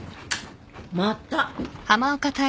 また。